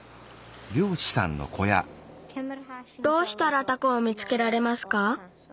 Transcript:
どうしたらタコを見つけられますか？